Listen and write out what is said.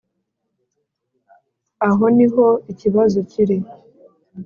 aho niho ikibazo kiri.